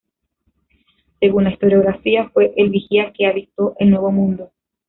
Según la historiografía, fue el vigía que avistó el Nuevo Mundo.